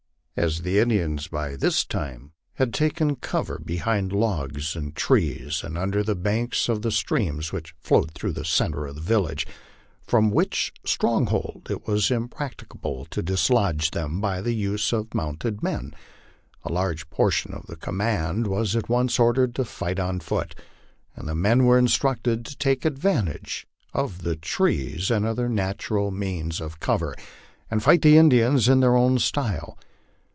As the In dians by this time had taken cover behind logs and trees, and under the banka of the stream which flowed through the centre of the village, from which stronghold it was impracticable to dislodge them by the use of mounted men, a large portion of the command was at once ordered to fight on foot, and the men were instructed to take advantage of the trees and other natural means of cover, and fight tke Indians in their own style.